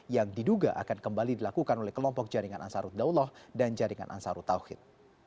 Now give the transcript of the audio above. yang diduga akan kembali dilakukan oleh kelompok jaringan ansarud dauloh dan jaringan ansarud tauhid